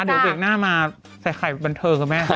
เดี๋ยวเบรกหน้ามาใส่ไข่บันเทิงกับแม่